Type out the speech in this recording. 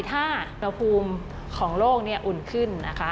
ถ้าระภูมิของโลกเนี่ยอุ่นขึ้นนะคะ